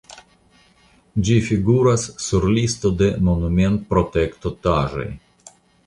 Ĝi figuras sur listo de monumentprotektotaĵoj.